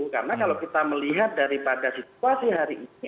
karena kalau kita melihat daripada situasi hari ini